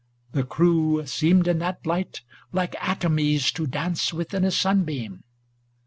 The crew Seemed in that light, like atomies to dance Within a sunbeam.